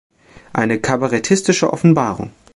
Eine kabarettistische Offenbarung".